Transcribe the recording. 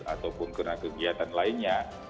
ataupun karena kegiatan lainnya